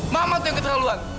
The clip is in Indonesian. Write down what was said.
mama tuh yang keterlaluan